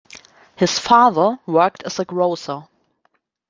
His father worked as a grocer.